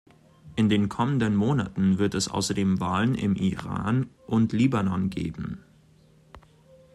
In den kommenden Monaten wird es außerdem Wahlen im Iran und Libanon geben.